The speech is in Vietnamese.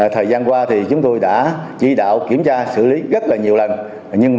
thời gian qua thì chúng tôi đã chỉ đạo kiểm tra xử lý rất là nhiều lần